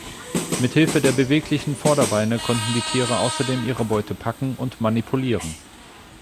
Mit Hilfe der beweglichen Vorderbeine konnten die Tiere außerdem ihre Beute packen und manipulieren.